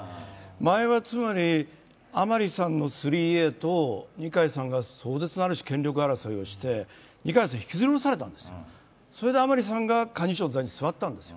前はつまり甘利さんの３Ａと二階さんが壮絶な権力争いをして二階さん、引きずり下ろされたんですよ、それで二階さんが、幹事長の座についたんですよ